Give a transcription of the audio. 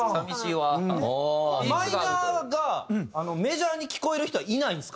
マイナーがメジャーに聴こえる人はいないんですか？